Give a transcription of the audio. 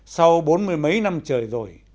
sau bốn mươi mấy năm trời rồi